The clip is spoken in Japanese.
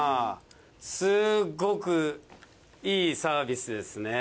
すごくいいサービスですね。